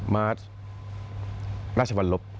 มาร์ทราชวรรลบ